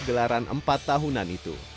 gelaran empat tahunan itu